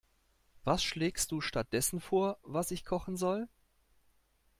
Was schlägst du stattdessen vor, was ich kochen soll?